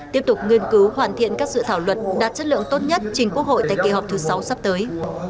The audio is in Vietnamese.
tiếp tục nghiên cứu hoàn thiện các dự thảo luật đạt chất lượng tốt nhất trình quốc hội tại kỳ họp thứ sáu sắp tới